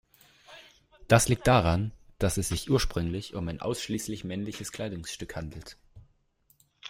Das liegt daran, dass es sich ursprünglich um ein ausschließlich „männliches“ Kleidungsstück handelt.